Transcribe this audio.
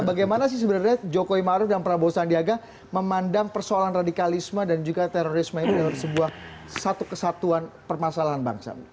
bagaimana sih sebenarnya jokowi maruf dan prabowo sandiaga memandang persoalan radikalisme dan juga terorisme itu dalam sebuah satu kesatuan permasalahan bangsa